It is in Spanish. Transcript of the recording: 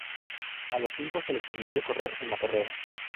A los cinco se les permitió correr en la carrera.